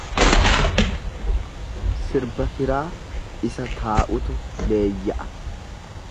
Sirba firaa isa taa'utu leeyya'a.